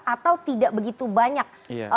atau tidak begitu banyak